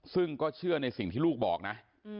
ซึ่งก็เชื่อในสิ่งที่ลูกบอกนะ